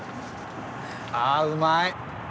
あうまい。